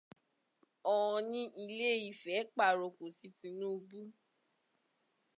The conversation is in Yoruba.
Ọ̀ọni Ilé-Ifè pàrokò sí Tinúbú.